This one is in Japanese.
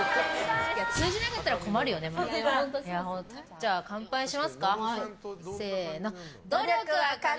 じゃあ、乾杯しますか。